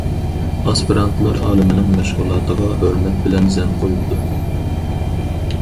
ئاسپىرانتلار ئالىمنىڭ مەشغۇلاتىغا ھۆرمەت بىلەن زەن قويۇپتۇ.